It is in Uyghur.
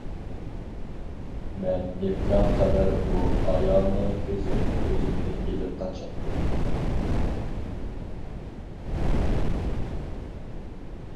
مەن ئىمكان قەدەر بۇ ئايالنىڭ كۆزىدىن ئۆزۈمنى ئېلىپ قاچاتتىم.